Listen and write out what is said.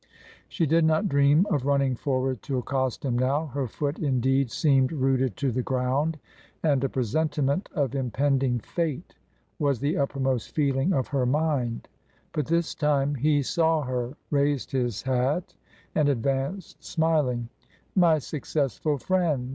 She did not dream of running forward to accost him now; her foot indeed seemed rooted to the ground, and a presentiment of im pending fate was the uppermost feeling of her mind. But this time he saw her, raised his hat, and advanced smiling. " My successful friend